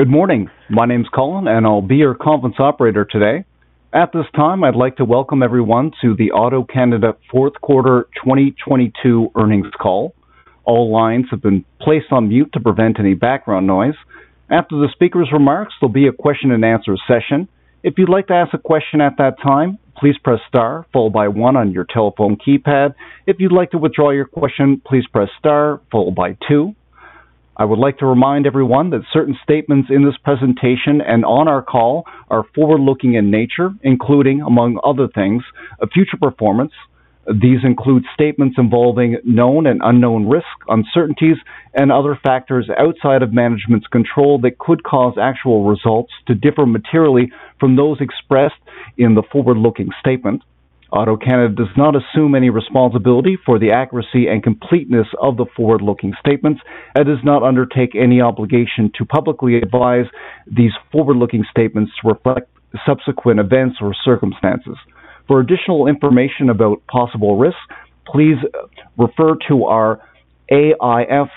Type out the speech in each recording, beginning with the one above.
Good morning. My name is Colin, I'll be your conference operator today. At this time, I'd like to welcome everyone to the AutoCanada Q4 2022 earnings call. All lines have been placed on mute to prevent any background noise. After the speaker's remarks, there'll be a question-and-answer session. If you'd like to ask a question at that time, please press star followed by one on your telephone keypad. If you'd like to withdraw your question, please press star followed by two. I would like to remind everyone that certain statements in this presentation and on our call are forward-looking in nature, including, among other things, a future performance. These include statements involving known and unknown risks, uncertainties, and other factors outside of management's control that could cause actual results to differ materially from those expressed in the forward-looking statement. AutoCanada does not assume any responsibility for the accuracy and completeness of the forward-looking statements and does not undertake any obligation to publicly advise these forward-looking statements to reflect subsequent events or circumstances. For additional information about possible risks, please refer to our AIF,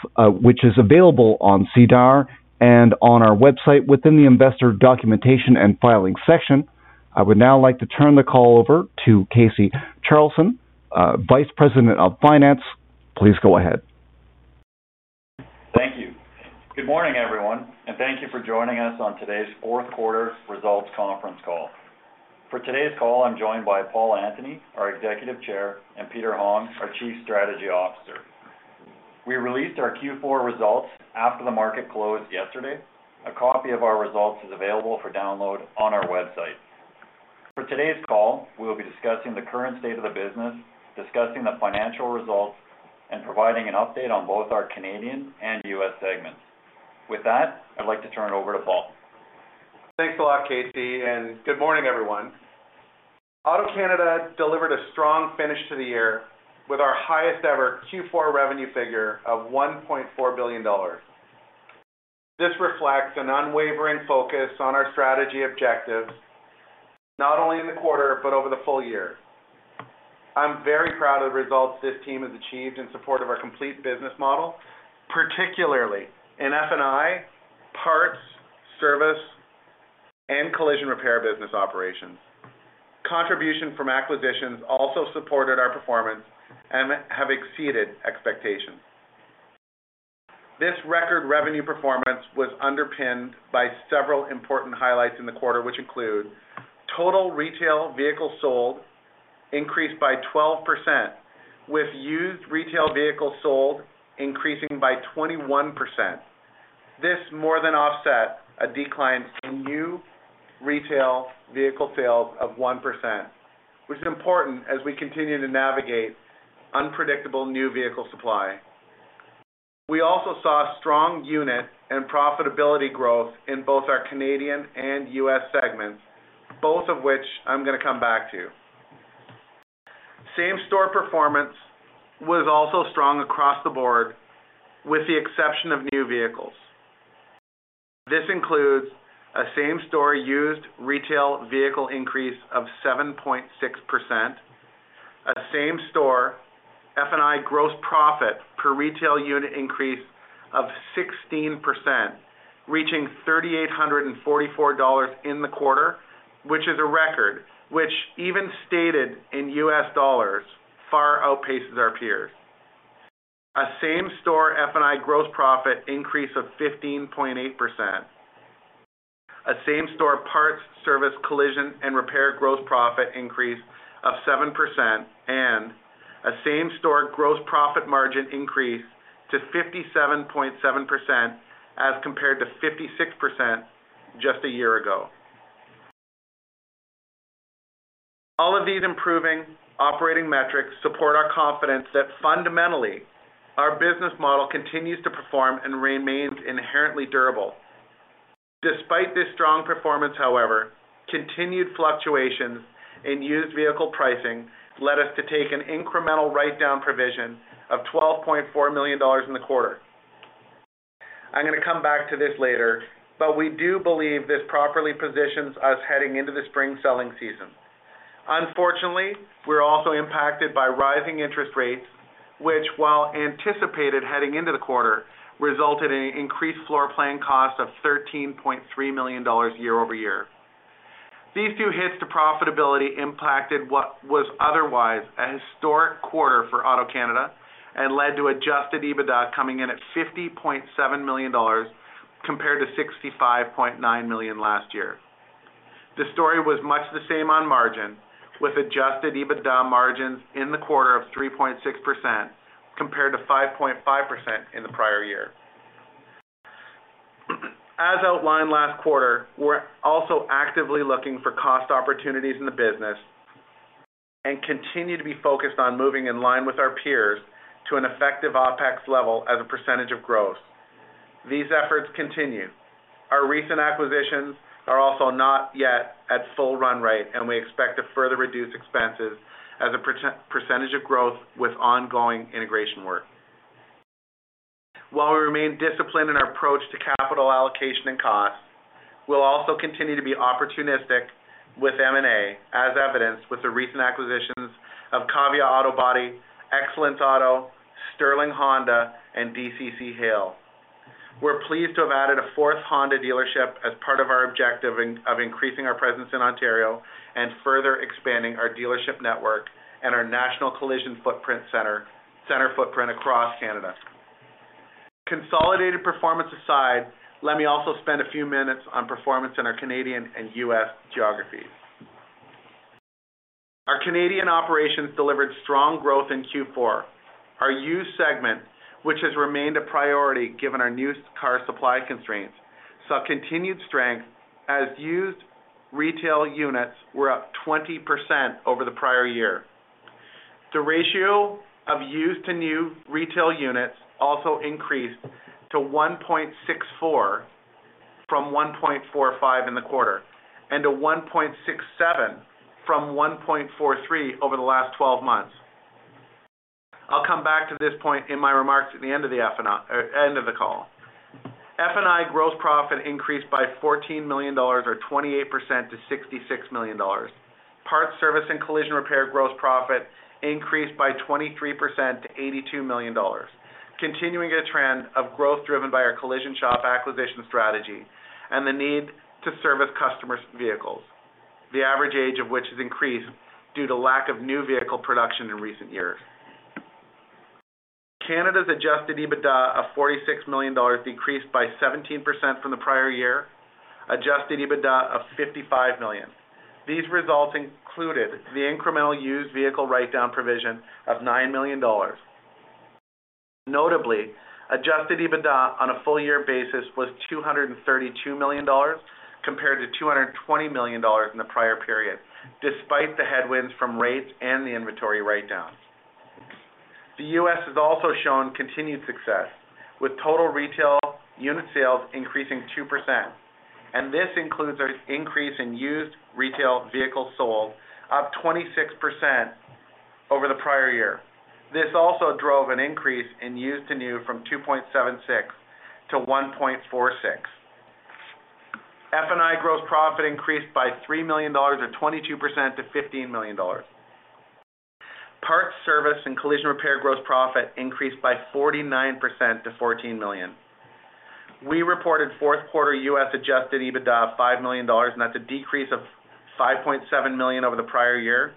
which is available on SEDAR and on our website within the investor documentation and filing section. I would now like to turn the call over to Casey Charleson, Vice President of Finance. Please go ahead. Thank you. Good morning, everyone. Thank you for joining us on today's Q4 results conference call. For today's call, I'm joined by Paul Antony, our Executive Chair, and Peter Hong, our Chief Strategy Officer. We released our Q4 results after the market closed yesterday. A copy of our results is available for download on our website. For today's call, we will be discussing the current state of the business, discussing the financial results, and providing an update on both our Canadian and U.S. segments. With that, I'd like to turn it over to Paul. Thanks a lot, Casey. Good morning, everyone. AutoCanada delivered a strong finish to the year with our highest-ever Q4 revenue figure of 1.4 billion dollars. This reflects an unwavering focus on our strategy objectives, not only in the quarter but over the full year. I'm very proud of the results this team has achieved in support of our complete business model, particularly in F&I, parts, service, and collision repair business operations. Contribution from acquisitions also supported our performance and have exceeded expectations. This record revenue performance was underpinned by several important highlights in the quarter, which include total retail vehicles sold increased by 12%, with used retail vehicles sold increasing by 21%. This more than offset a decline in new retail vehicle sales of 1%, which is important as we continue to navigate unpredictable new vehicle supply. We also saw strong unit and profitability growth in both our Canadian and US segments, both of which I'm going to come back to. Same-store performance was also strong across the board with the exception of new vehicles. This includes a same-store used retail vehicle increase of 7.6%, a same-store F&I gross profit per retail unit increase of 16%, reaching $3,844 in the quarter, which is a record which even stated in US dollars far outpaces our peers. A same-store F&I gross profit increase of 15.8%, a same-store parts, service, collision, and repair gross profit increase of 7%, and a same-store gross profit margin increase to 57.7% as compared to 56% just a year ago. All of these improving operating metrics support our confidence that fundamentally, our business model continues to perform and remains inherently durable. Despite this strong performance, however, continued fluctuations in used vehicle pricing led us to take an incremental write-down provision of 12.4 million dollars in the quarter. I'm going to come back to this later. We do believe this properly positions us heading into the spring selling season. Unfortunately, we're also impacted by rising interest rates, which, while anticipated heading into the quarter, resulted in increased floor plan costs of 13.3 million dollars year-over-year. These two hits to profitability impacted what was otherwise a historic quarter for AutoCanada and led to adjusted EBITDA coming in at 50.7 million dollars compared to 65.9 million last year. The story was much the same on margin, with adjusted EBITDA margins in the quarter of 3.6% compared to 5.5% in the prior year. As outlined last quarter, we're also actively looking for cost opportunities in the business and continue to be focused on moving in line with our peers to an effective OPEX level as a percentage of growth. These efforts continue. Our recent acquisitions are also not yet at full run rate, and we expect to further reduce expenses as a percentage of growth with ongoing integration work. While we remain disciplined in our approach to capital allocation and cost. We'll also continue to be opportunistic with M&A, as evidenced with the recent acquisitions of Kavia Auto Body, Excellence Auto, Sterling Honda, and DCC Hail. We're pleased to have added a fourth Honda dealership as part of our objective of increasing our presence in Ontario and further expanding our dealership network and our national collision center footprint across Canada. Consolidated performance aside, let me also spend a few minutes on performance in our Canadian and U.S. geographies. Our Canadian operations delivered strong growth in Q4. Our used segment, which has remained a priority given our new car supply constraints, saw continued strength as used retail units were up 20% over the prior year. The ratio of used to new retail units also increased to 1.64 from 1.45 in the quarter, and to 1.67 from 1.43 over the last 12 months. I'll come back to this point in my remarks at the end of the call. F&I gross profit increased by 14 million dollars or 28% to 66 million dollars. Parts, service, and collision repair gross profit increased by 23% to 82 million dollars, continuing a trend of growth driven by our collision shop acquisition strategy and the need to service customers' vehicles, the average age of which has increased due to lack of new vehicle production in recent years. AutoCanada's adjusted EBITDA of 46 million dollars decreased by 17% from the prior year, adjusted EBITDA of 55 million. These results included the incremental used vehicle write-down provision of 9 million dollars. Notably, adjusted EBITDA on a full year basis was $232 million compared to $220 million in the prior period, despite the headwinds from rates and the inventory write-down. The U.S. has also shown continued success with total retail unit sales increasing 2%, this includes our increase in used retail vehicles sold up 26% over the prior year. This also drove an increase in used to new from 2.76 to 1.46. F&I gross profit increased by $3 million or 22% to $15 million. Parts, service, and collision repair gross profit increased by 49% to $14 million. We reported Q4 U.S. adjusted EBITDA of $5 million, that's a decrease of $5.7 million over the prior year.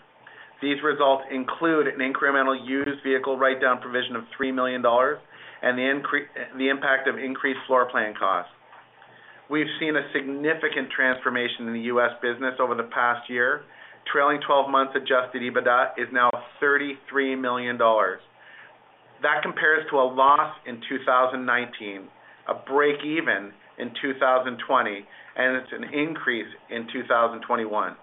These results include an incremental used vehicle write-down provision of 3 million dollars and the impact of increased floor plan costs. We've seen a significant transformation in the U.S. business over the past year. Trailing 12 months adjusted EBITDA is now 33 million dollars. That compares to a loss in 2019, a break-even in 2020, and it's an increase in 2021.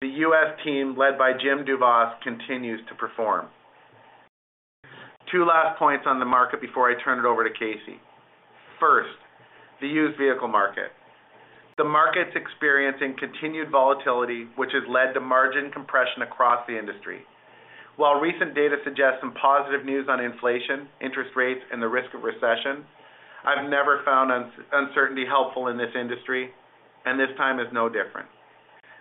The U.S. team, led by Jim Douvas, continues to perform. Two last points on the market before I turn it over to Casey. First, the used vehicle market. The market's experiencing continued volatility, which has led to margin compression across the industry. While recent data suggests some positive news on inflation, interest rates, and the risk of recession, I've never found uncertainty helpful in this industry, and this time is no different.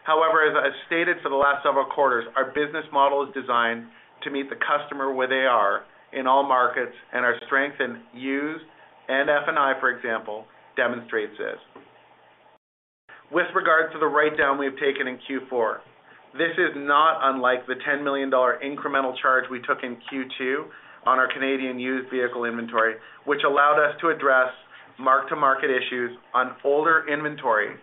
However, as I've stated for the last several quarters, our business model is designed to meet the customer where they are in all markets, and our strength in used and F&I, for example, demonstrates this. With regard to the write-down we've taken in Q4, this is not unlike the 10 million dollar incremental charge we took in Q2 on our Canadian used vehicle inventory, which allowed us to address mark-to-market issues on older inventory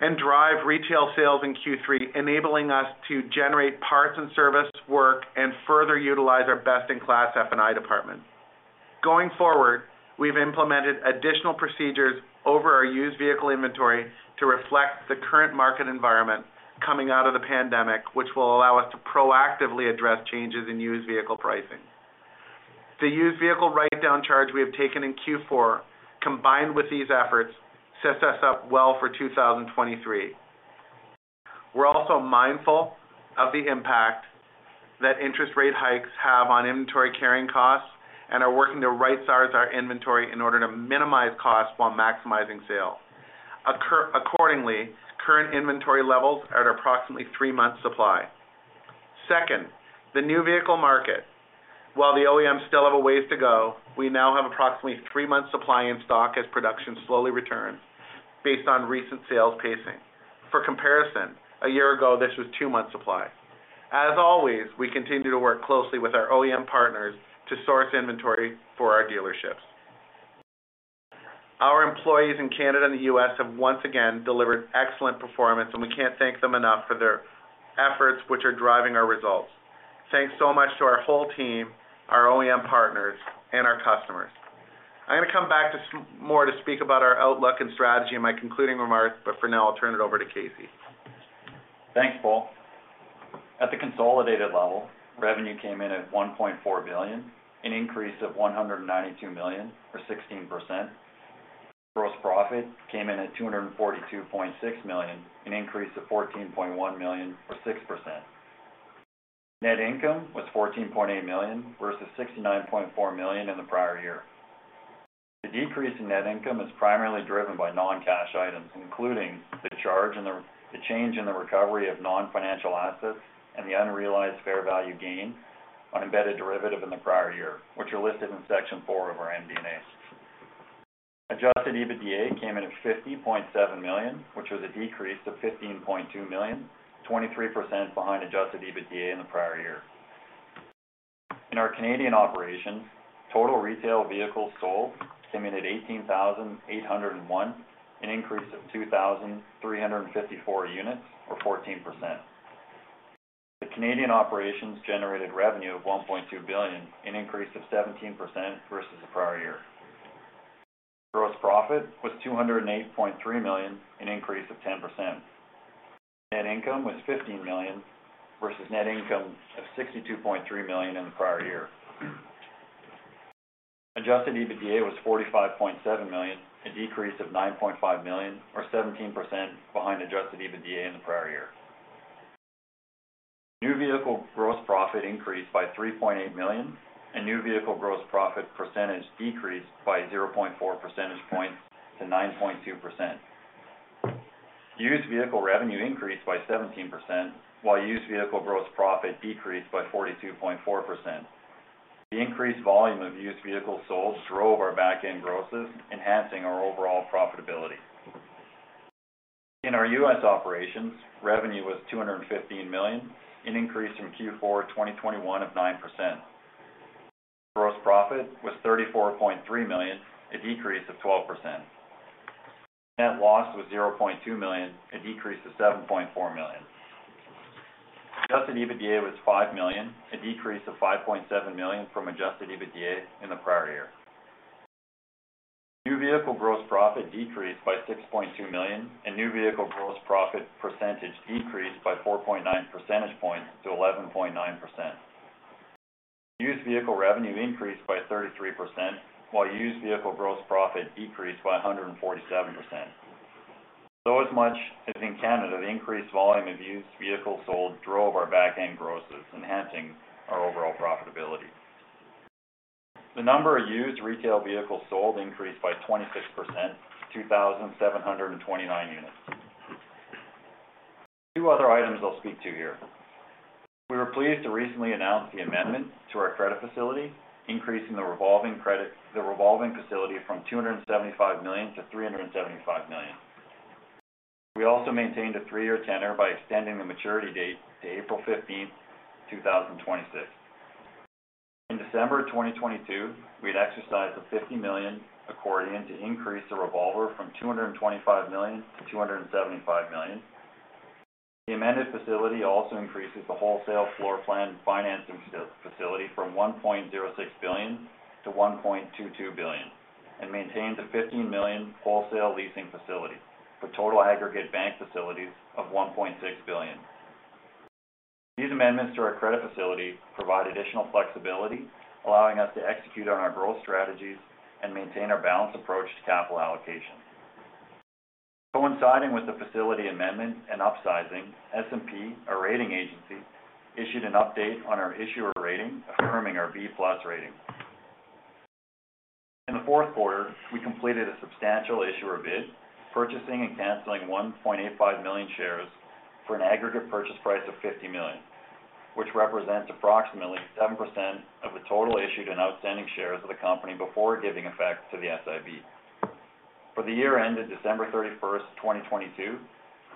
and drive retail sales in Q3, enabling us to generate parts and service work and further utilize our best-in-class F&I department. Going forward, we've implemented additional procedures over our used vehicle inventory to reflect the current market environment coming out of the pandemic, which will allow us to proactively address changes in used vehicle pricing. The used vehicle write-down charge we have taken in Q4, combined with these efforts, sets us up well for 2023. We're also mindful of the impact that interest rate hikes have on inventory carrying costs and are working to right-size our inventory in order to minimize costs while maximizing sales. Accordingly, current inventory levels are at approximately three months supply. Second, the new vehicle market. While the OEMs still have a ways to go, we now have approximately three months supply in stock as production slowly returns based on recent sales pacing. For comparison, a year ago, this was two months supply. As always, we continue to work closely with our OEM partners to source inventory for our dealerships. Our employees in Canada and the US have once again delivered excellent performance, and we can't thank them enough for their efforts, which are driving our results. Thanks so much to our whole team, our OEM partners, and our customers. I'm gonna come back to more to speak about our outlook and strategy in my concluding remarks. For now, I'll turn it over to Casey. Thanks, Paul. At the consolidated level, revenue came in at 1.4 billion, an increase of 192 million or 16%. Gross profit came in at 242.6 million, an increase of 14.1 million or 6%. Net income was 14.8 million, versus 69.4 million in the prior year. The decrease in net income is primarily driven by non-cash items, including the change in the recovery of non-financial assets and the unrealized fair value gain on embedded derivative in the prior year, which are listed in Section 4 of our MD&A. Adjusted EBITDA came in at 50.7 million, which was a decrease of 15.2 million, 23% behind adjusted EBITDA in the prior year. In our Canadian operations, total retail vehicles sold came in at 18,801, an increase of 2,354 units or 14%. The Canadian operations generated revenue of 1.2 billion, an increase of 17% versus the prior year. Gross profit was 208.3 million, an increase of 10%. Net income was 15 million versus net income of 62.3 million in the prior year. Adjusted EBITDA was 45.7 million, a decrease of 9.5 million or 17% behind adjusted EBITDA in the prior year. New vehicle gross profit increased by 3.8 million, and new vehicle gross profit percentage decreased by 0.4 percentage points to 9.2%. Used vehicle revenue increased by 17%, while used vehicle gross profit decreased by 42.4%. The increased volume of used vehicles sold drove our back-end grosses, enhancing our overall profitability. In our US operations, revenue was $215 million, an increase from Q4 2021 of 9%. Gross profit was $34.3 million, a decrease of 12%. Net loss was $0.2 million, a decrease of $7.4 million. Adjusted EBITDA was $5 million, a decrease of $5.7 million from adjusted EBITDA in the prior year. New vehicle gross profit decreased by $6.2 million, and new vehicle gross profit percentage decreased by 4.9 percentage points to 11.9%. Used vehicle revenue increased by 33%, while used vehicle gross profit decreased by 147%. As much as in Canada, the increased volume of used vehicles sold drove our back-end grosses, enhancing our overall profitability. The number of used retail vehicles sold increased by 26% to 2,729 units. Two other items I'll speak to here. We were pleased to recently announce the amendment to our credit facility, increasing the revolving credit, the revolving facility from 275 million to 375 million. We also maintained a three-year tenure by extending the maturity date to April 15th, 2026. In December of 2022, we had exercised a 50 million accordion to increase the revolver from 225 million to 275 million. The amended facility also increases the wholesale floor plan financing facility from 1.06 billion to 1.22 billion and maintains a 15 million wholesale leasing facility, for total aggregate bank facilities of 1.6 billion. These amendments to our credit facility provide additional flexibility, allowing us to execute on our growth strategies and maintain our balanced approach to capital allocation. Coinciding with the facility amendment and upsizing, S&P, our rating agency, issued an update on our issuer rating, affirming our B+ rating. In the Q4, we completed a substantial issuer bid, purchasing and canceling 1.85 million shares for an aggregate purchase price of 50 million, which represents approximately 7% of the total issued and outstanding shares of the company before giving effect to the SIB. For the year ended December 31, 2022,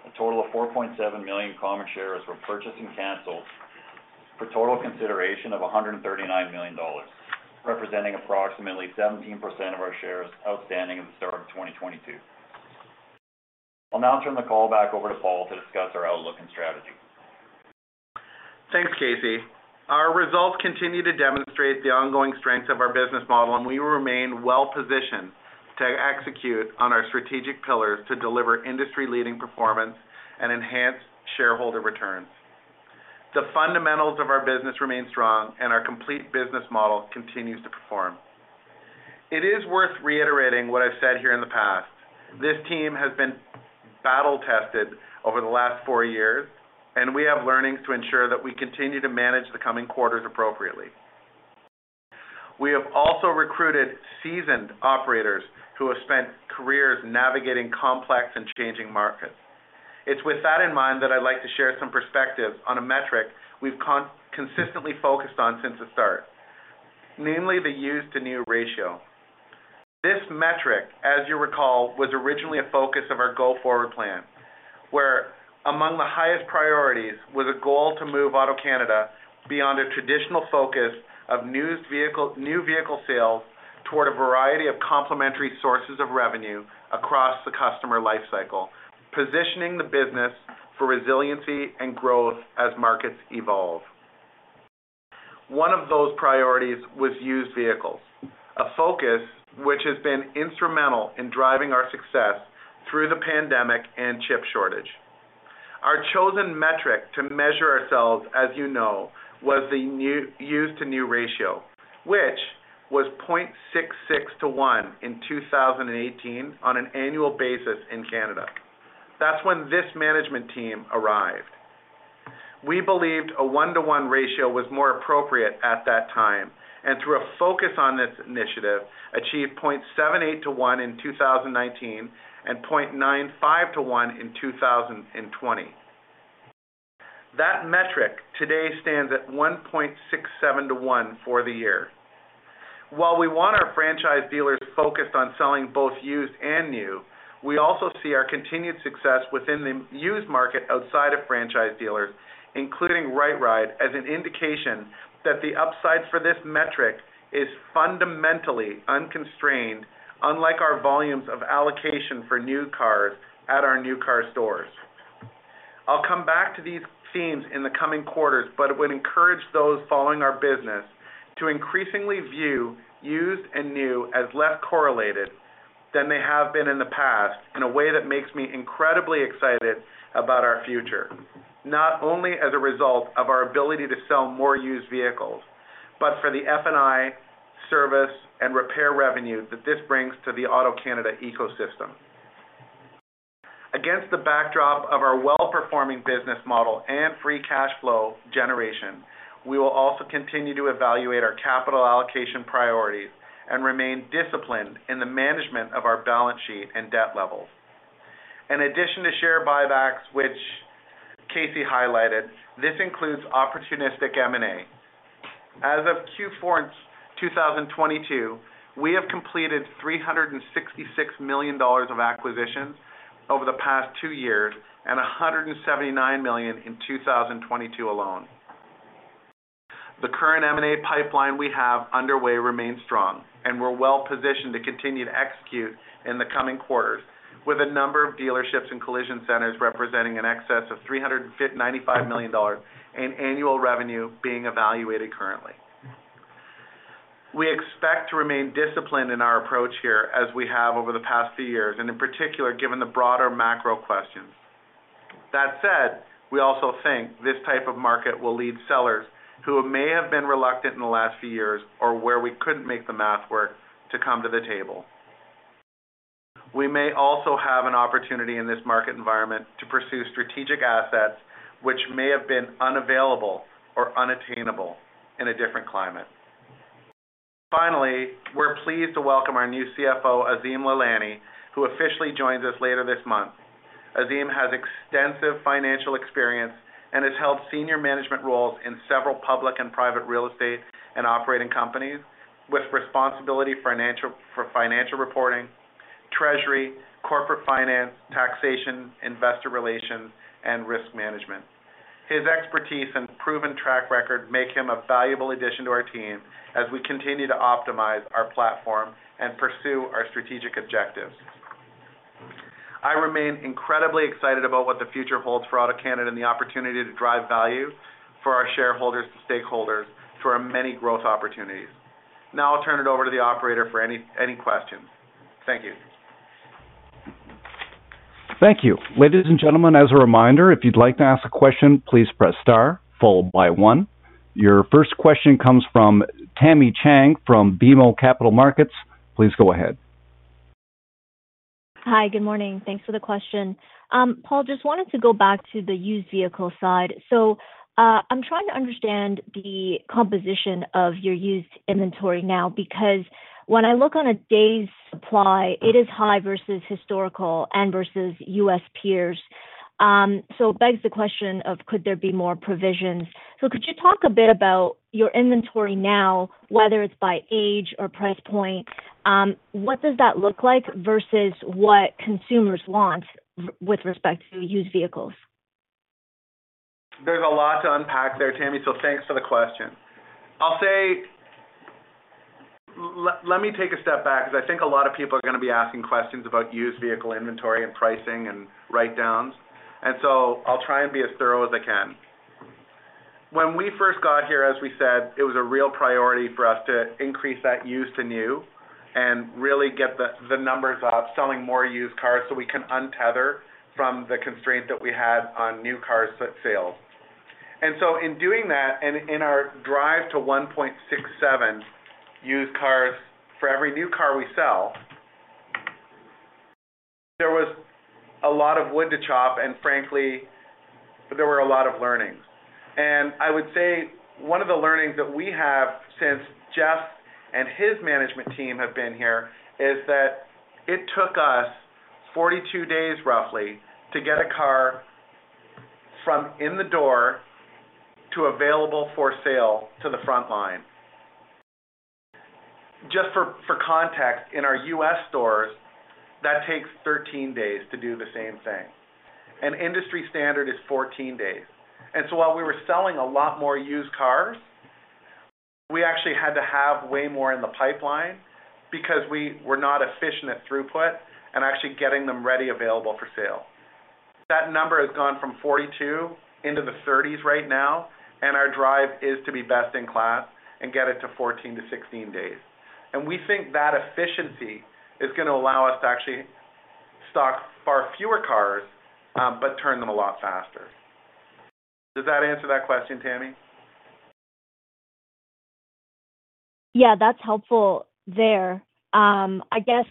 a total of 4.7 million common shares were purchased and canceled for total consideration of 139 million dollars, representing approximately 17% of our shares outstanding at the start of 2022. I'll now turn the call back over to Paul to discuss our outlook and strategy. Thanks, Casey. Our results continue to demonstrate the ongoing strengths of our business model. We remain well-positioned to execute on our strategic pillars to deliver industry-leading performance and enhance shareholder returns. The fundamentals of our business remain strong. Our complete business model continues to perform. It is worth reiterating what I've said here in the past. This team has been battle-tested over the last four years. We have learnings to ensure that we continue to manage the coming quarters appropriately. We have also recruited seasoned operators who have spent careers navigating complex and changing markets. It's with that in mind that I'd like to share some perspective on a metric we've consistently focused on since the start, namely the used-to-new ratio. This metric, as you recall, was originally a focus of our Go Forward Plan, where among the highest priorities was a goal to move AutoCanada beyond a traditional focus of new vehicle sales toward a variety of complementary sources of revenue across the customer life cycle, positioning the business for resiliency and growth as markets evolve. One of those priorities was used vehicles, a focus which has been instrumental in driving our success through the pandemic and chip shortage. Our chosen metric to measure ourselves, as you know, was the used-to-new ratio, which was 0.66 to 1 in 2018 on an annual basis in Canada. That's when this management team arrived. We believed a 1-to-1 ratio was more appropriate at that time, and through a focus on this initiative, achieved 0.78 to 1 in 2019, and 0.95 to 1 in 2020. That metric today stands at 1.67 to 1 for the year. While we want our franchise dealers focused on selling both used and new, we also see our continued success within the used market outside of franchise dealers, including RightRide, as an indication that the upside for this metric is fundamentally unconstrained, unlike our volumes of allocation for new cars at our new car stores. I'll come back to these themes in the coming quarters, but would encourage those following our business to increasingly view used and new as less correlated than they have been in the past in a way that makes me incredibly excited about our future, not only as a result of our ability to sell more used vehicles, but for the F&I service and repair revenue that this brings to the AutoCanada ecosystem. Against the backdrop of our well-performing business model and free cash flow generation, we will also continue to evaluate our capital allocation priorities and remain disciplined in the management of our balance sheet and debt levels. In addition to share buybacks, which Casey highlighted, this includes opportunistic M&A. As of Q4 2022, we have completed 366 million dollars of acquisitions over the past two years and 179 million in 2022 alone. The current M&A pipeline we have underway remains strong. We're well positioned to continue to execute in the coming quarters with a number of dealerships and collision centers representing an excess of 395 million dollars in annual revenue being evaluated currently. We expect to remain disciplined in our approach here, as we have over the past few years, and in particular, given the broader macro questions. That said, we also think this type of market will lead sellers who may have been reluctant in the last few years or where we couldn't make the math work to come to the table. We may also have an opportunity in this market environment to pursue strategic assets which may have been unavailable or unattainable in a different climate. Finally, we're pleased to welcome our new CFO, Azim Lalani, who officially joins us later this month. Azim has extensive financial experience and has held senior management roles in several public and private real estate and operating companies with responsibility for financial reporting, treasury, corporate finance, taxation, investor relations, and risk management. His expertise and proven track record make him a valuable addition to our team as we continue to optimize our platform and pursue our strategic objectives. I remain incredibly excited about what the future holds for AutoCanada and the opportunity to drive value for our shareholders and stakeholders through our many growth opportunities. Now I'll turn it over to the operator for any questions. Thank you. Thank you. Ladies and gentlemen, as a reminder, if you'd like to ask a question, please press star followed by 1. Your first question comes from Tamy Chen from BMO Capital Markets. Please go ahead. Hi. Good morning. Thanks for the question. Paul, just wanted to go back to the used vehicle side. I'm trying to understand the composition of your used inventory now, because when I look on a days supply, it is high versus historical and versus U.S. peers. It begs the question of could there be more provisions. Could you talk a bit about your inventory now, whether it's by age or price point, what does that look like versus what consumers want with respect to used vehicles? There's a lot to unpack there, Tammy, so thanks for the question. I'll say, let me take a step back, because I think a lot of people are gonna be asking questions about used vehicle inventory and pricing and write-downs. I'll try and be as thorough as I can. When we first got here, as we said, it was a real priority for us to increase that used-to-new and really get the numbers up, selling more used cars so we can untether from the constraint that we had on new car sales. In doing that, and in our drive to 1.67 used cars for every new car we sell, there was a lot of wood to chop, and frankly, there were a lot of learnings. I would say one of the learnings that we have since Jeff and his management team have been here is that it took us 42 days, roughly, to get a car from in the door to available for sale to the front line. Just for context, in our US stores, that takes 13 days to do the same thing, and industry standard is 14 days. While we were selling a lot more used cars, we actually had to have way more in the pipeline because we were not efficient at throughput and actually getting them ready, available for sale. That number has gone from 42 into the 30s right now, and our drive is to be best in class and get it to 14-16 days. We think that efficiency is gonna allow us to actually stock far fewer cars, but turn them a lot faster. Does that answer that question, Tammy? Yeah, that's helpful there. I guess,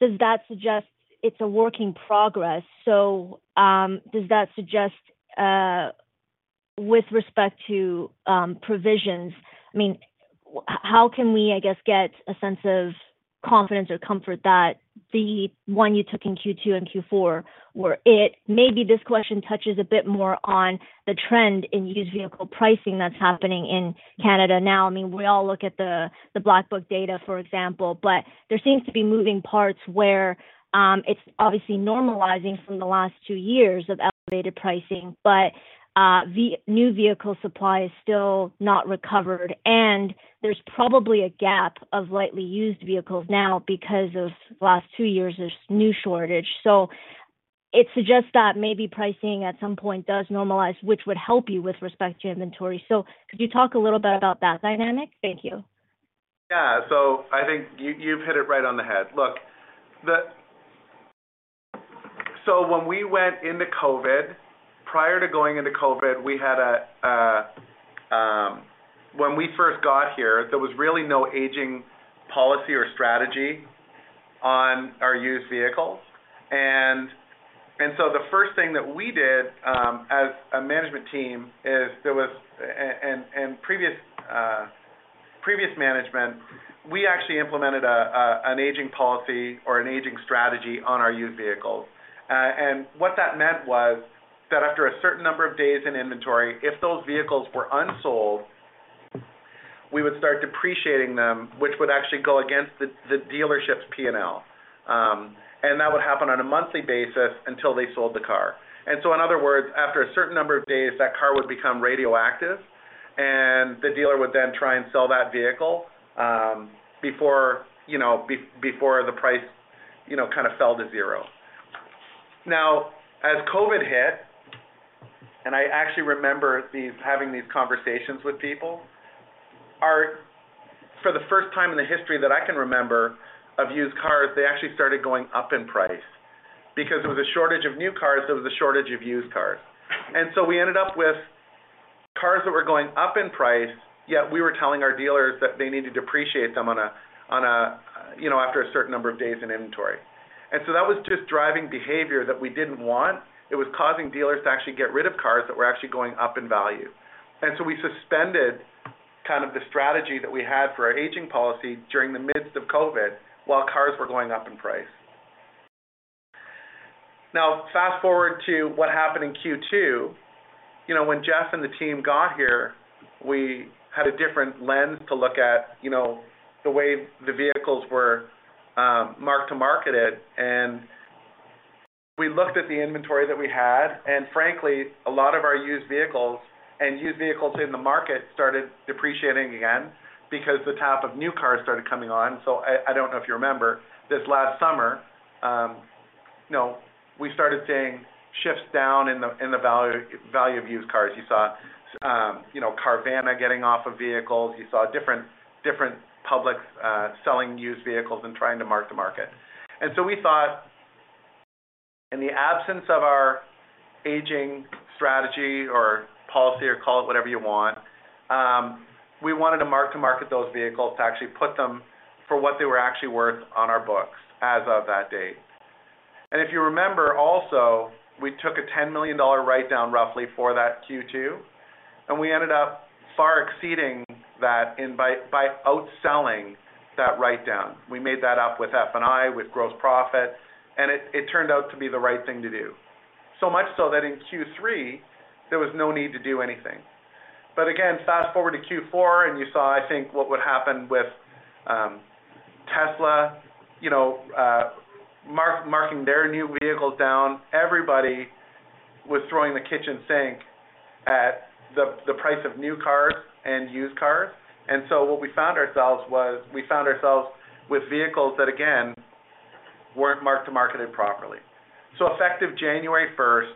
does that suggest it's a work in progress? Does that suggest, with respect to provisions, I mean, how can we, I guess, get a sense of confidence or comfort that the one you took in Q2 and Q4 were it? Maybe this question touches a bit more on the trend in used vehicle pricing that's happening in Canada now. I mean, we all look at the Black Book data, for example. There seems to be moving parts where it's obviously normalizing from the last two years of elevated pricing. New vehicle supply is still not recovered, and there's probably a gap of lightly used vehicles now because of last two years of new shortage. It suggests that maybe pricing at some point does normalize, which would help you with respect to inventory. Could you talk a little bit about that dynamic? Thank you. Yeah. I think you've hit it right on the head. Look, when we went into COVID, prior to going into COVID, we had, when we first got here, there was really no aging policy or strategy on our used vehicles. The first thing that we did as a management team, we actually implemented an aging policy or an aging strategy on our used vehicles. What that meant was that after a certain number of days in inventory, if those vehicles were unsold, we would start depreciating them, which would actually go against the dealership's P&L. That would happen on a monthly basis until they sold the car. In other words, after a certain number of days, that car would become radioactive, and the dealer would then try and sell that vehicle, before, you know, before the price, you know, kind of fell to zero. As COVID hit, and I actually remember having these conversations with people. For the first time in the history that I can remember of used cars, they actually started going up in price because there was a shortage of new cars, there was a shortage of used cars. We ended up with cars that were going up in price, yet we were telling our dealers that they need to depreciate them on a, you know, after a certain number of days in inventory. That was just driving behavior that we didn't want. It was causing dealers to actually get rid of cars that were actually going up in value. We suspended kind of the strategy that we had for our aging policy during the midst of COVID while cars were going up in price. Fast-forward to what happened in Q2. You know, when Jeff and the team got here, we had a different lens to look at, you know, the way the vehicles were mark to market. We looked at the inventory that we had, and frankly, a lot of our used vehicles and used vehicles in the market started depreciating again because the tap of new cars started coming on. I don't know if you remember, this last summer, you know, we started seeing shifts down in the value of used cars. You saw, you know, Carvana getting off of vehicles. You saw different publics selling used vehicles and trying to mark to market. We thought in the absence of our aging strategy or policy, or call it whatever you want, we wanted to mark to market those vehicles to actually put them for what they were actually worth on our books as of that date. If you remember also, we took a 10 million dollar write-down roughly for that Q2, and we ended up far exceeding that in by outselling that write-down. We made that up with F&I, with gross profit, and it turned out to be the right thing to do. Much so that in Q3, there was no need to do anything. Again, fast-forward to Q4, and you saw, I think, what would happen with Tesla, you know, marking their new vehicles down. Everybody was throwing the kitchen sink at the price of new cars and used cars. What we found ourselves was we found ourselves with vehicles that, again, weren't mark to marketed properly. Effective January first,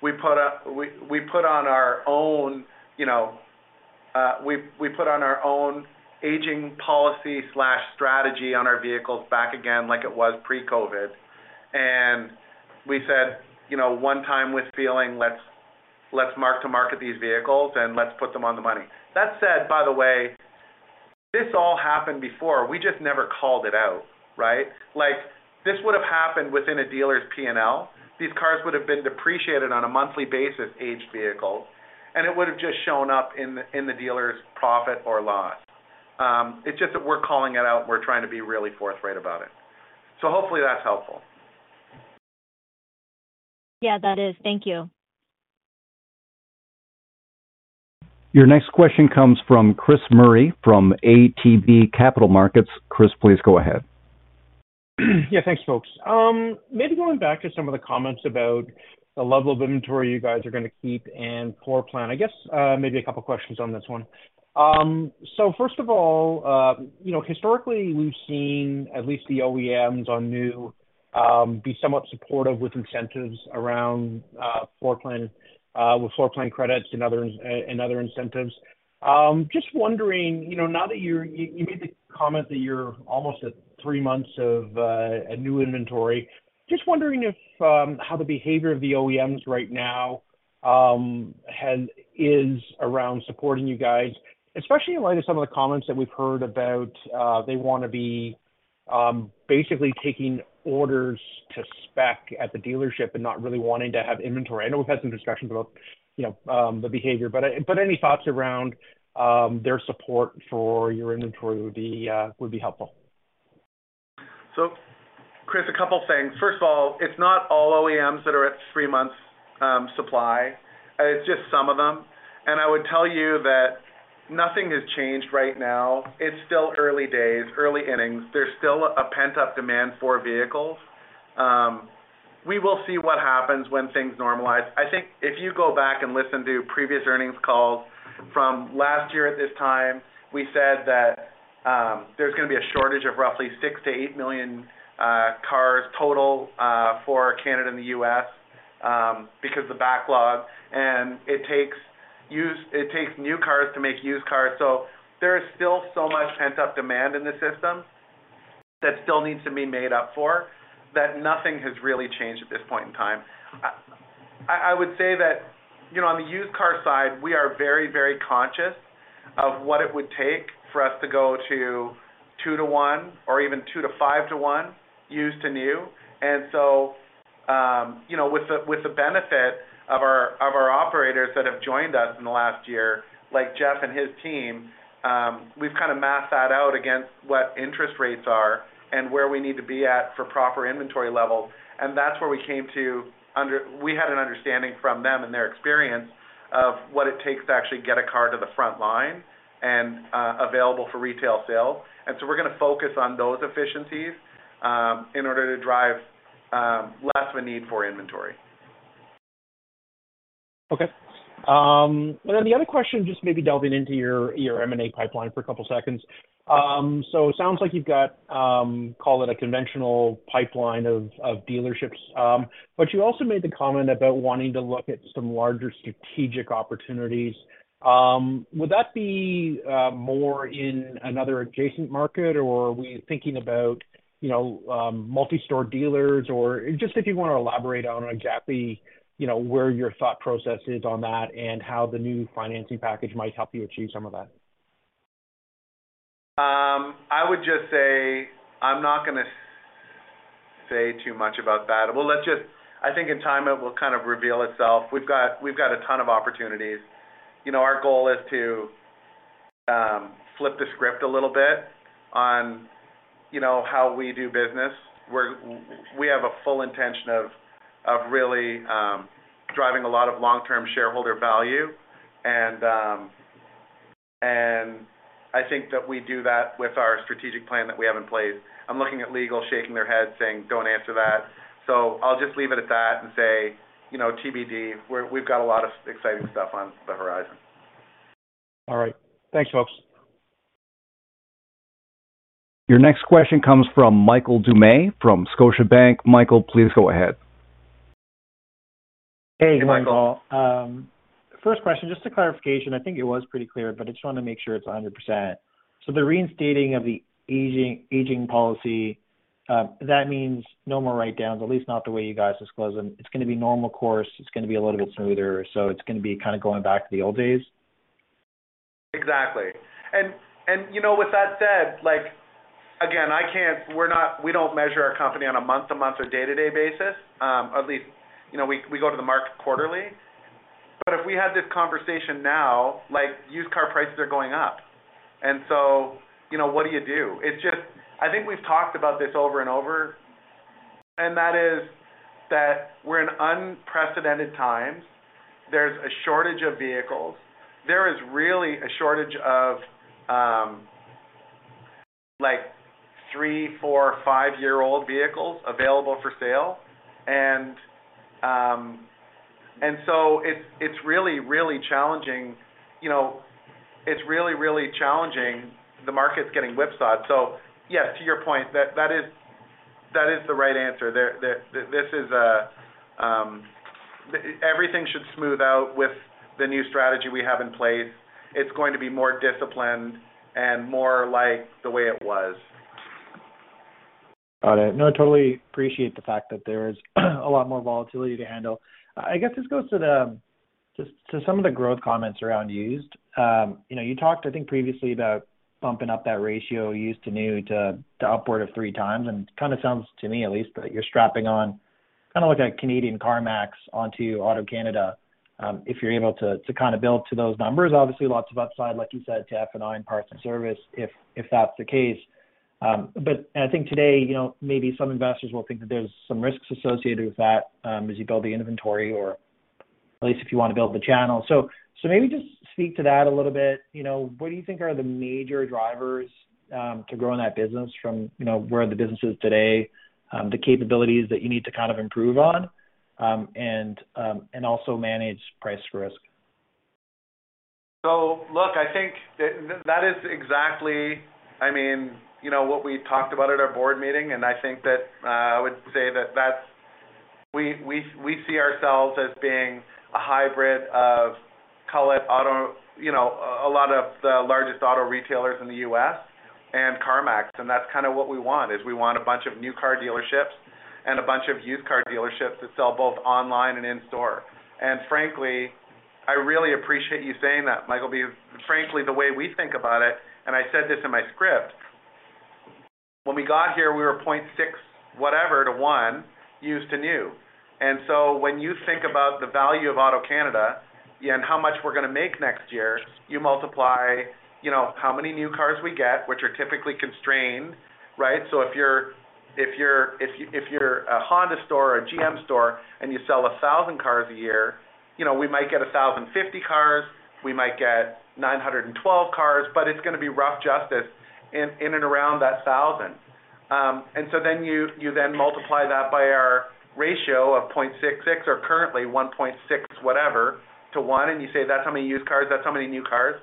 we put on our own, you know, we put on our own aging policy/strategy on our vehicles back again like it was pre-COVID. We said, you know, one time with feeling, let's mark to market these vehicles, and let's put them on the money. That said, by the way, this all happened before. We just never called it out, right? Like, this would have happened within a dealer's P&L. These cars would have been depreciated on a monthly basis, aged vehicles, and it would have just shown up in the, in the dealer's profit or loss. It's just that we're calling it out, and we're trying to be really forthright about it. Hopefully that's helpful. Yeah, that is. Thank you. Your next question comes from Chris Murray from ATB Capital Markets. Chris, please go ahead. Yeah, thanks, folks. Maybe going back to some of the comments about the level of inventory you guys are gonna keep and floor plan. I guess, maybe a couple of questions on this one. First of all, you know, historically, we've seen at least the OEMs on new be somewhat supportive with incentives around floor plan, with floor plan credits and other and other incentives. Just wondering, you know, now that you're. You made the comment that you're almost at 3 months of a new inventory. Just wondering if how the behavior of the OEMs right now is around supporting you guys, especially in light of some of the comments that we've heard about they wanna be basically taking orders to spec at the dealership and not really wanting to have inventory. I know we've had some discussions about, you know, the behavior, but any thoughts around their support for your inventory would be helpful. Chris, a couple things. First of all, it's not all OEMs that are at 3 months supply. It's just some of them. I would tell you that nothing has changed right now. It's still early days, early innings. There's still a pent-up demand for vehicles. We will see what happens when things normalize. I think if you go back and listen to previous earnings calls from last year at this time, we said that there's gonna be a shortage of roughly $6 million-$8 million cars total for Canada and the U.S. because the backlog, it takes new cars to make used cars. There is still so much pent-up demand in the system that still needs to be made up for, that nothing has really changed at this point in time. I would say that on the used car side, we are very, very conscious of what it would take for us to go to 2 to 1 or even 2 to 5 to 1 used to new. With the benefit of our operators that have joined us in the last year, like Jeff and his team, we've kinda mapped that out against what interest rates are and where we need to be at for proper inventory levels. That's where we had an understanding from them and their experience of what it takes to actually get a car to the front line and available for retail sale. We're gonna focus on those efficiencies in order to drive less of a need for inventory. Okay. The other question, just maybe delving into your M&A pipeline for a couple seconds. It sounds like you've got call it a conventional pipeline of dealerships, but you also made the comment about wanting to look at some larger strategic opportunities. Would that be more in another adjacent market, or are we thinking about, you know, multi-store dealers? Just if you wanna elaborate on exactly, you know, where your thought process is on that and how the new financing package might help you achieve some of that. I would just say I'm not gonna say too much about that. I think in time it will kind of reveal itself. We've got a ton of opportunities. You know, our goal is to flip the script a little bit on how we do business, where we have a full intention of really driving a lot of long-term shareholder value. That we do that with our strategic plan that we have in place. I'm looking at legal shaking their heads, saying, "Don't answer that." I'll just leave it at that and say, you know, TBD, we've got a lot of exciting stuff on the horizon. All right. Thanks, folks. Your next question comes from Michael Doumet from Scotiabank. Michael, please go ahead. Hey, Michael. First question, just a clarification. I think it was pretty clear, but I just want to make sure it's 100%. The reinstating of the aging policy, that means no more write-downs, at least not the way you guys disclose them. It's gonna be normal course, it's gonna be a little bit smoother. It's gonna be kinda going back to the old days? Exactly. You know, with that said, like, again, we don't measure our company on a month to month or day to day basis. At least we go to the market quarterly. If we had this conversation now, like used car prices are going up what do you do? I think we've talked about this over and over, and that is that we're in unprecedented times. There's a shortage of vehicles. There is really a shortage of, like 3, 4, 5-year-old vehicles available for sale. It's really, really challenging. It's really, really challenging. The market's getting whipsawed. Yes, to your point, that is the right answer. This is, everything should smooth out with the new strategy we have in place. It's going to be more disciplined and more like the way it was. Got it. No, I totally appreciate the fact that there is a lot more volatility to handle. I guess this goes just to some of the growth comments around used. You talked, I think, previously about bumping up that ratio used to new to upward of 3 times, and kinda sounds to me at least that you're strapping on kinda like a Canadian CarMax onto AutoCanada, if you're able to kinda build to those numbers. Obviously, lots of upside, like you said, to F&I and parts and service if that's the case. But I think today maybe some investors will think that there's some risks associated with that, as you build the inventory or at least if you wanna build the channel. Maybe just speak to that a little bit. What do you think are the major drivers, to growing that business from, you know, where the business is today, the capabilities that you need to kind of improve on, and also manage price risk? Look, I think that is exactly, I mean, what we talked about at our board meeting, and I think that, I would say that that's. We see ourselves as being a hybrid of, call it auto, you know, a lot of the largest auto retailers in the U.S. and CarMax. That's kinda what we want, is we want a bunch of new car dealerships. A bunch of used car dealerships that sell both online and in store. Frankly, I really appreciate you saying that, Michael, because frankly, the way we think about it, and I said this in my script, when we got here, we were 0.6 whatever to 1 used-to-new. When you think about the value of AutoCanada and how much we're gonna make next year, you multiply how many new cars we get, which are typically constrained, right? If you're a Honda store or a GM store and you sell 1,000 cars a year we might get 1,050 cars, we might get 912 cars, but it's gonna be rough justice in and around that 1,000. Then you then multiply that by our ratio of 0.66 or currently 1.6 whatever to 1, and you say, that's how many used cars, that's how many new cars.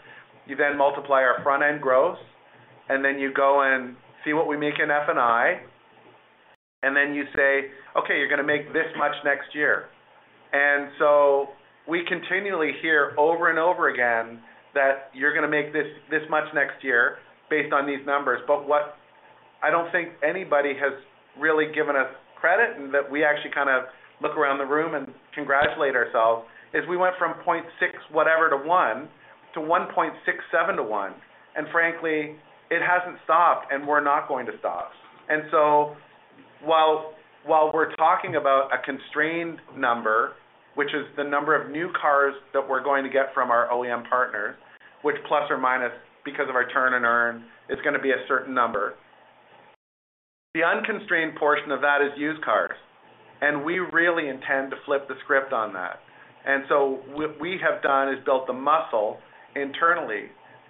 You then multiply our front-end gross, and then you go and see what we make in F&I. You say, "Okay, you're gonna make this much next year." We continually hear over and over again that you're gonna make this much next year based on these numbers. What I don't think anybody has really given us credit, and that we actually kind of look around the room and congratulate ourselves, is we went from 0.6 whatever to 1 to 1.67 to 1. Frankly, it hasn't stopped, and we're not going to stop. While we're talking about a constrained number, which is the number of new cars that we're going to get from our OEM partners, which plus or minus because of our turn and earn, is gonna be a certain number. The unconstrained portion of that is used cars, and we really intend to flip the script on that. What we have done is built the muscle internally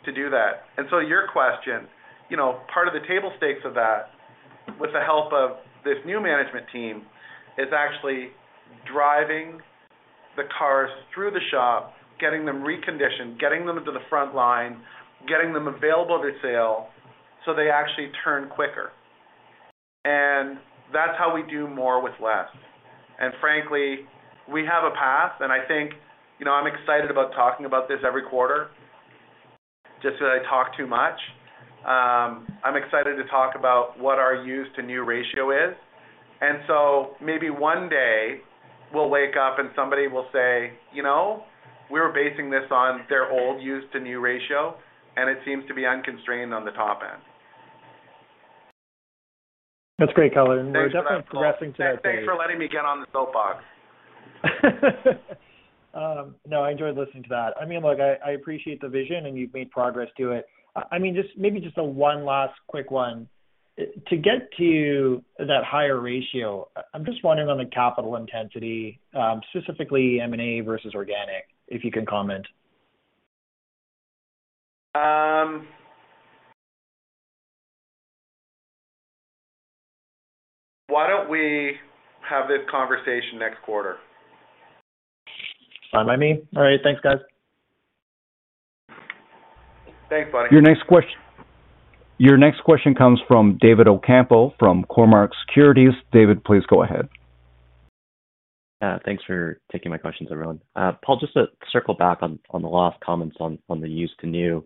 to do that. Your question, you know, part of the table stakes of that, with the help of this new management team, is actually driving the cars through the shop, getting them reconditioned, getting them into the front line, getting them available to sale so they actually turn quicker. That's how we do more with less. Frankly, we have a path, and I think, you know, I'm excited about talking about this every quarter, just that I talk too much. I'm excited to talk about what our used-to-new ratio is. Maybe one day we'll wake up and somebody will say, "You know, we were basing this on their old used-to-new ratio, and it seems to be unconstrained on the top end. That's great, Kelvin. Thanks, Michael. We're definitely progressing to that phase. Thanks for letting me get on the soapbox. No, I enjoyed listening to that. I mean, look, I appreciate the vision. You've made progress to it. I mean, just maybe just a one last quick one. To get to that higher ratio, I'm just wondering on the capital intensity, specifically M&A versus organic, if you can comment? Why don't we have this conversation next quarter? Fine by me. All right. Thanks, guys. Thanks, buddy. Your next question comes from David Ocampo from Cormark Securities. David, please go ahead. Yeah. Thanks for taking my questions, everyone. Paul, just to circle back on the last comments on the used to new,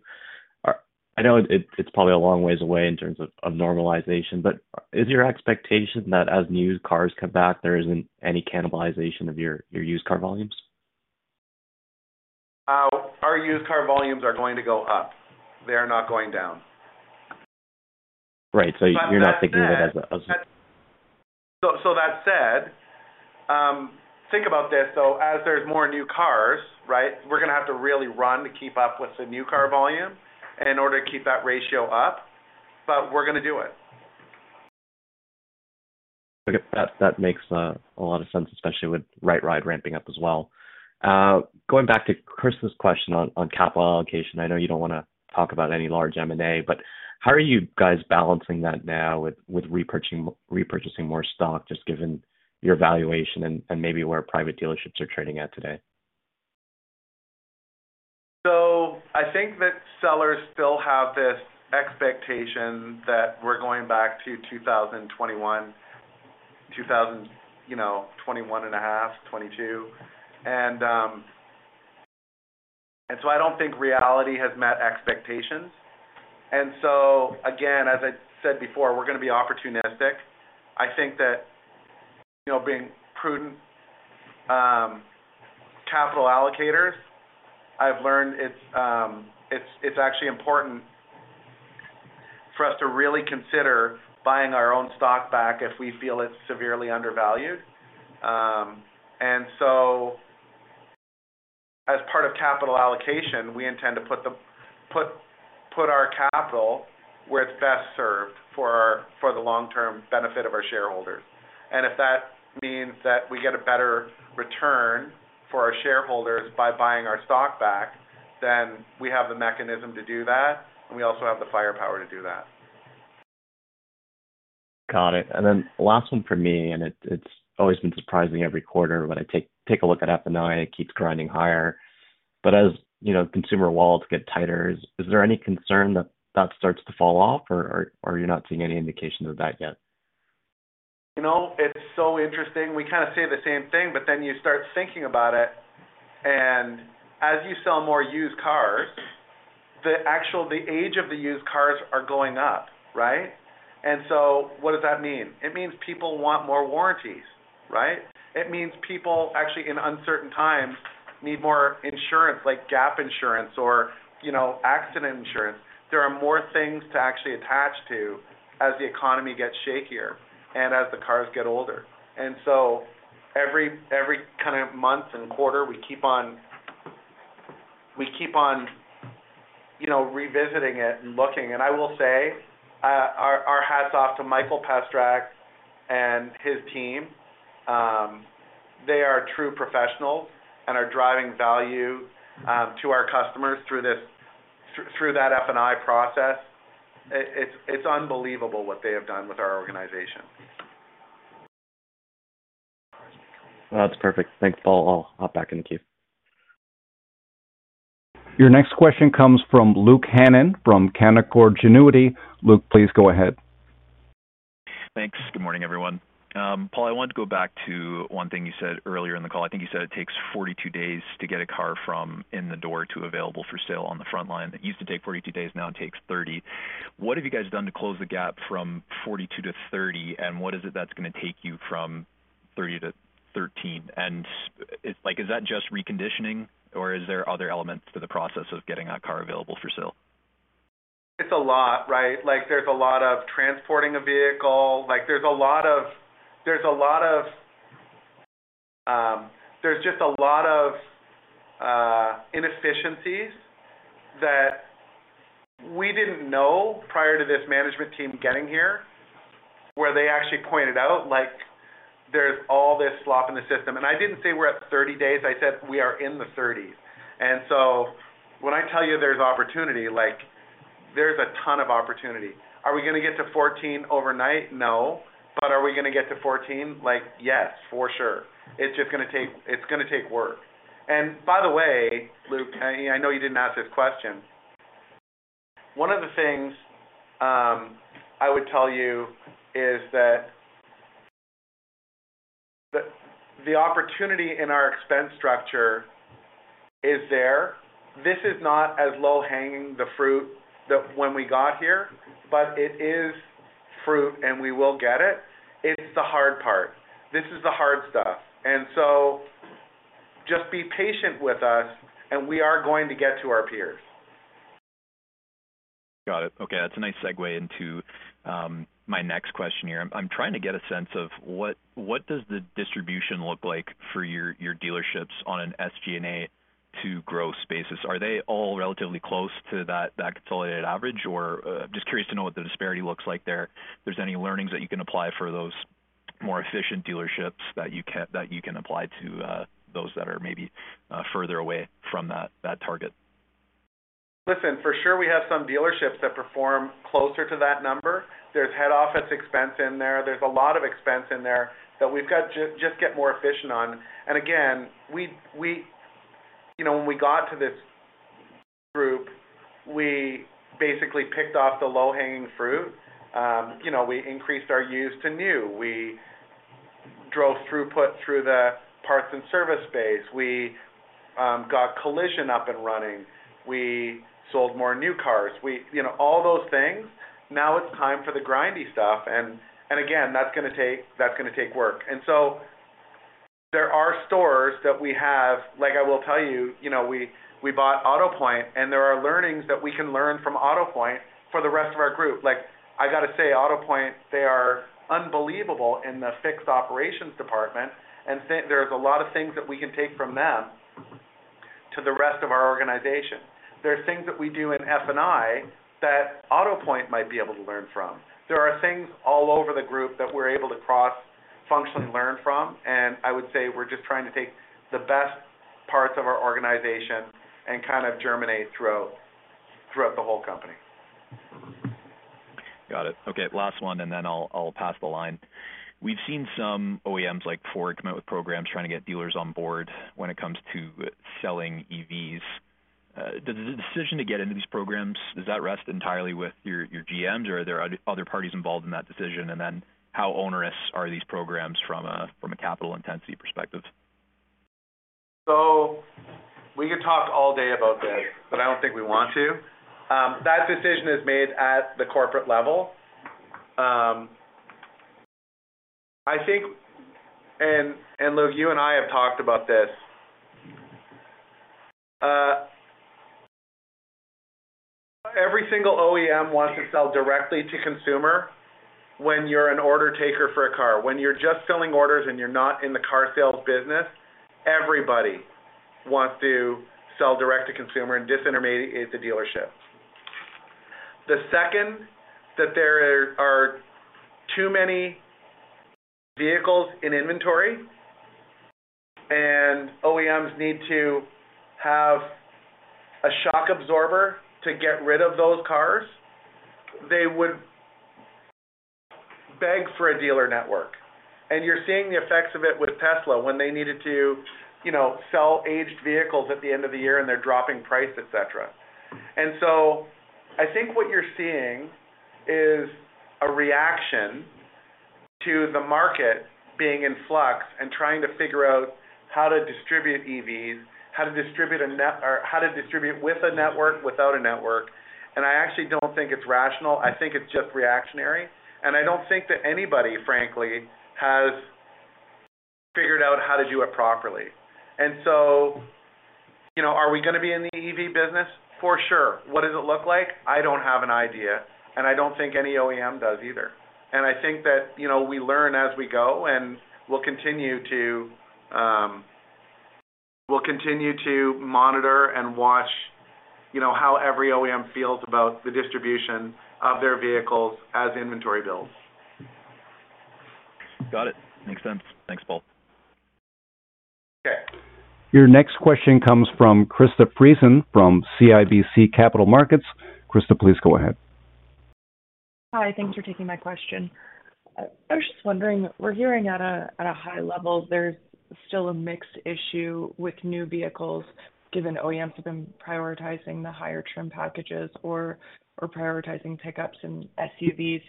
I know it's probably a long ways away in terms of normalization, but is your expectation that as new cars come back, there isn't any cannibalization of your used car volumes? Our used car volumes are going to go up. They are not going down. Right. you're not thinking of it as a. That said, think about this, though. As there's more new cars, right, we're gonna have to really run to keep up with the new car volume in order to keep that ratio up, but we're gonna do it. That makes a lot of sense, especially with RightRide ramping up as well. Going back to Chris's question on capital allocation. I know you don't wanna talk about any large M&A. How are you guys balancing that now with repurchasing more stock, just given your valuation and maybe where private dealerships are trading at today? I think that sellers still have this expectation that we're going back to 2021, you know, 2021 and a half, 2022. I don't think reality has met expectations. Again, as I said before, we're gonna be opportunistic. I think that being prudent, capital allocators, I've learned it's actually important for us to really consider buying our own stock back if we feel it's severely undervalued. As part of capital allocation, we intend to put our capital where it's best served for the long-term benefit of our shareholders. If that means that we get a better return for our shareholders by buying our stock back, then we have the mechanism to do that, and we also have the firepower to do that. Got it. Then last one for me, it's always been surprising every quarter when I take a look at F&I, it keeps grinding higher. As, you know, consumer wallets get tighter, is there any concern that that starts to fall off, or you're not seeing any indication of that yet? You know, it's so interesting. We kinda say the same thing, but then you start thinking about it, and as you sell more used cars. The actual the age of the used cars are going up, right? What does that mean? It means people want more warranties, right? It means people actually in uncertain times need more insurance, like gap insurance or, you know, accident insurance. There are more things to actually attach to as the economy gets shakier and as the cars get older. Every kind of month and quarter, we keep on, you know, revisiting it and looking. I will say, our hats off to Mikael Pestrak and his team. They are true professionals and are driving value to our customers through that F&I process. It's unbelievable what they have done with our organization. That's perfect. Thanks, Paul. I'll hop back in the queue. Your next question comes from Luke Hannan from Canaccord Genuity. Luke, please go ahead. Thanks. Good morning, everyone. Paul, I wanted to go back to one thing you said earlier in the call. I think you said it takes 42 days to get a car from in the door to available for sale on the front line. It used to take 42 days, now it takes 30. What have you guys done to close the gap from 42 to 30, and what is it that's gonna take you from 30 to 13? Is that just reconditioning or is there other elements to the process of getting a car available for sale? It's a lot, right? Like, there's a lot of transporting a vehicle. Like, there's a lot of inefficiencies that we didn't know prior to this management team getting here, where they actually pointed out, like, there's all this slop in the system. I didn't say we're at 30 days, I said we are in the 30s. So when I tell you there's opportunity, like, there's a ton of opportunity. Are we gonna get to 14 overnight? No. Are we gonna get to 14? Like, yes, for sure. It's just gonna take work. By the way, Luke, I know you didn't ask this question. One of the things I would tell you is that the opportunity in our expense structure is there. This is not as low-hanging the fruit that when we got here, but it is fruit, and we will get it. It's the hard part. This is the hard stuff. Just be patient with us, and we are going to get to our peers. Got it. Okay. That's a nice segue into my next question here. I'm trying to get a sense of what does the distribution look like for your dealerships on an SG&A to growth basis? Are they all relatively close to that consolidated average? Just curious to know what the disparity looks like there. If there's any learnings that you can apply for those more efficient dealerships that you can apply to those that are maybe further away from that target. Listen, for sure, we have some dealerships that perform closer to that number. There's head office expense in there. There's a lot of expense in there that we've got to just get more efficient on. Again, we. You know, when we got to this group, we basically picked off the low-hanging fruit. You know, we increased our used to new. We drove throughput through the parts and service space. We got collision up and running. We sold more new cars. We. You know, all those things. Now it's time for the grindy stuff. Again, that's gonna take work. So there are stores that we have. Like, I will tell you know, we bought AutoPoint, and there are learnings that we can learn from AutoPoint for the rest of our group. Like, I gotta say, AutoPoint, they are unbelievable in the fixed operations department. There's a lot of things that we can take from them to the rest of our organization. There are things that we do in F&I that AutoPoint might be able to learn from. There are things all over the group that we're able to cross-functionally learn from, and I would say we're just trying to take the best parts of our organization and kind of germinate throughout the whole company. Got it. Okay, last one, and then I'll pass the line. We've seen some OEMs, like Ford, come out with programs trying to get dealers on board when it comes to selling EVs. Does the decision to get into these programs, does that rest entirely with your GMs, or are there other parties involved in that decision? Then how onerous are these programs from a, from a capital intensity perspective? We could talk all day about this, but I don't think we want to. That decision is made at the corporate level. I think, and Luke, you and I have talked about this. Every single OEM wants to sell directly to consumer when you're an order taker for a car. When you're just filling orders and you're not in the car sales business, everybody wants to sell direct to consumer and disintermediate the dealership. The second that there are too many vehicles in inventory and OEMs need to have a shock absorber to get rid of those cars, they would beg for a dealer network. You're seeing the effects of it with Tesla when they needed to, you know, sell aged vehicles at the end of the year, and they're dropping price, et cetera. What you're seeing is a reaction to the market being in flux and trying to figure out how to distribute EVs, how to distribute with a network, without a network. I actually don't think it's rational. I think it's just reactionary. I don't think that anybody, frankly, has figured out how to do it properly. You know, are we gonna be in the EV business? For sure. What does it look like? I don't have an idea, and I don't think any OEM does either. I think that, you know, we learn as we go, we'll continue to monitor and watch, you know, how every OEM feels about the distribution of their vehicles as inventory builds. Got it. Makes sense. Thanks, Paul. Okay. Your next question comes from Krista Friesen from CIBC Capital Markets. Krista, please go ahead. Hi. Thanks for taking my question. I was just wondering, we're hearing at a high level there's still a mixed issue with new vehicles given OEMs have been prioritizing the higher trim packages or prioritizing pickups and SUVs.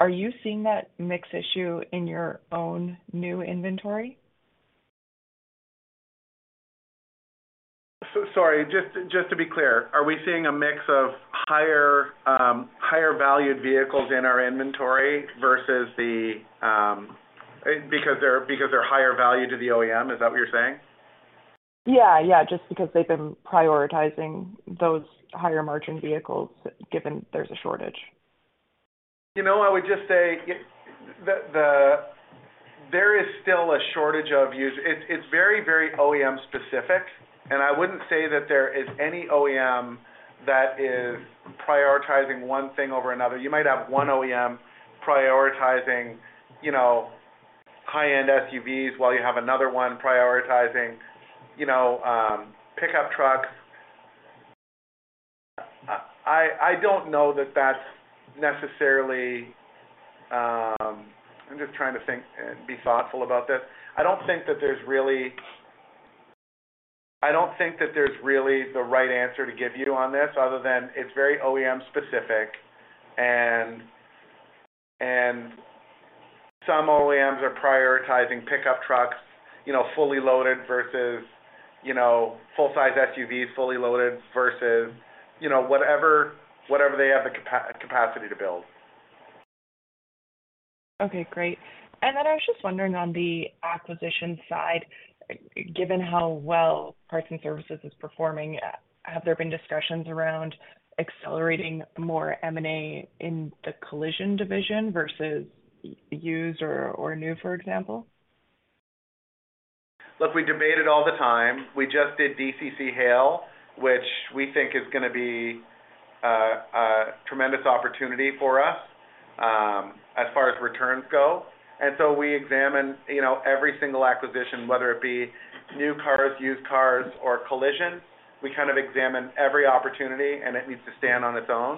Are you seeing that mix issue in your own new inventory? sorry, just to be clear, are we seeing a mix of higher valued vehicles in our inventory versus the, Because they're higher value to the OEM, is that what you're saying? Yeah, just because they've been prioritizing those higher margin vehicles given there's a shortage. You know, I would just say. It's very, very OEM-specific. I wouldn't say that there is any OEM that is prioritizing one thing over another. You might have one OEM prioritizing, you know, high-end SUVs while you have another one prioritizing, you know, pickup trucks. I don't know that that's necessarily. I'm just trying to think and be thoughtful about this. I don't think that there's really the right answer to give you on this other than it's very OEM-specific and some OEMs are prioritizing pickup trucks, you know, fully loaded versus, you know, full-size SUVs fully loaded versus, you know, whatever they have the capacity to build. Okay, great. I was just wondering on the acquisition side, given how well parts and services is performing, have there been discussions around accelerating more M&A in the collision division versus used or new, for example? Look, we debate it all the time. We just did DCC Hail, which we think is going to be a tremendous opportunity for us, as far as returns go. We examine, you know, every single acquisition, whether it be new cars, used cars, or collision. We kind of examine every opportunity, and it needs to stand on its own.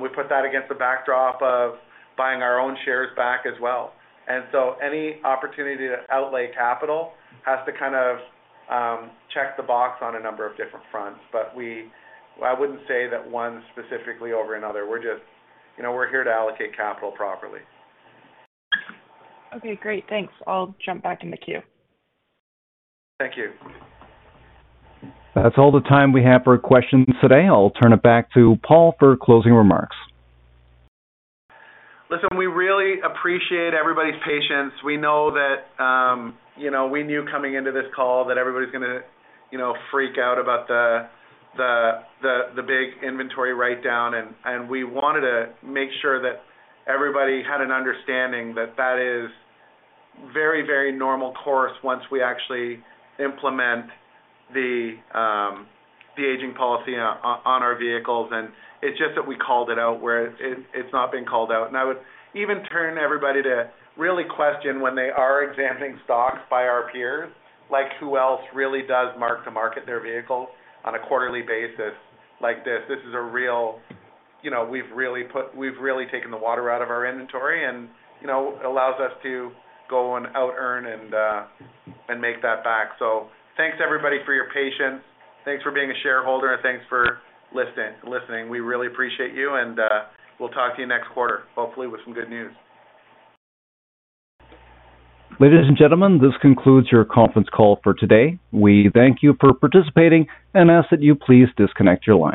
We put that against the backdrop of buying our own shares back as well. Any opportunity to outlay capital has to kind of check the box on a number of different fronts. I wouldn't say that one specifically over another. We're just, you know, we're here to allocate capital properly. Okay, great. Thanks. I'll jump back in the queue. Thank you. That's all the time we have for questions today. I'll turn it back to Paul for closing remarks. Listen, we really appreciate everybody's patience. We know that we knew coming into this call that everybody's gonna, you know, freak out about the big inventory write down and we wanted to make sure that everybody had an understanding that that is very, very normal course once we actually implement the aging policy on our vehicles. It's just that we called it out, where it's not been called out. I would even turn everybody to really question when they are examining stocks by our peers, like who else really does mark to market their vehicles on a quarterly basis like this. This is a real, you know, we've really taken the water out of our inventory and, you know, allows us to go and out earn and make that back. Thanks everybody for your patience. Thanks for being a shareholder and thanks for listening. We really appreciate you and we'll talk to you next quarter, hopefully with some good news. Ladies and gentlemen, this concludes your conference call for today. We thank you for participating and ask that you please disconnect your lines.